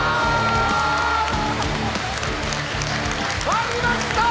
割りました！